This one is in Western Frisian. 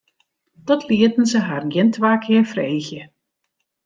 Dat lieten se har gjin twa kear freegje.